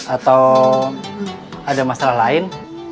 atau ada masalah lain